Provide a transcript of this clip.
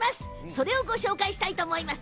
それをご紹介したいと思います。